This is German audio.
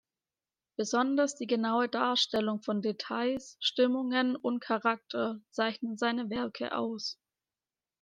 Besonders die genaue Darstellung von Details, Stimmungen und Charakter zeichnen seine Werke aus.